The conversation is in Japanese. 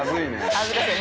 恥ずかしい。